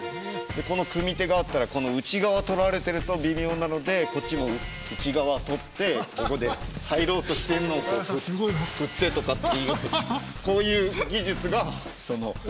この組み手があったらこの内側取られてると微妙なのでこっちも内側取ってここで入ろうとしてんのを振ってとかっていうこういう技術がその。